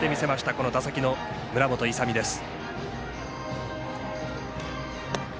この打席の村本勇海です。